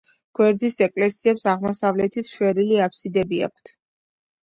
გვერდის ეკლესიებს აღმოსავლეთით შვერილი აფსიდები აქვთ.